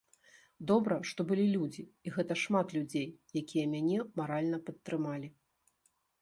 Добра, што былі людзі, і гэта шмат людзей, якія мяне маральна падтрымалі.